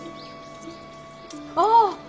ああ！